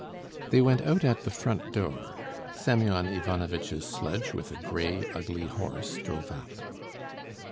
They went out at the front door. Semyon Ivanovitch's sledge with a grey ugly horse drove up.